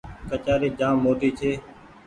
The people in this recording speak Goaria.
ڪچآري جآم موٽي ڇي۔